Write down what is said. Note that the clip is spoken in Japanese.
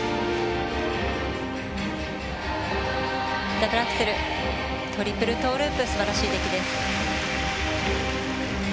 ダブルアクセルトリプルトーループすばらしい出来です。